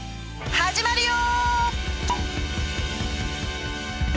始まるよ！